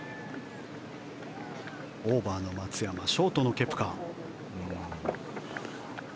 オーバーの松山ショートのケプカ。